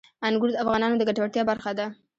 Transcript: انګور د افغانانو د ګټورتیا برخه ده.